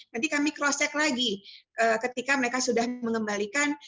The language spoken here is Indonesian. nanti kami cross check lagi ketika mereka sudah mengembalikan